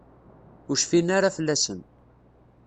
Ur cfin ara fell-asen.